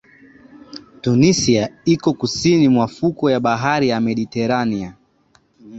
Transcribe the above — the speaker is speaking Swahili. Tunisia iko kusini mwa fukwe ya bahari ya mediterania